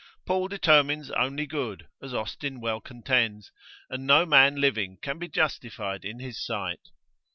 Paul determines only good, as Austin well contends, and no man living can be justified in his sight.